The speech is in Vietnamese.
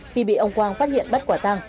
khi bị ông quang phát hiện bắt quả tăng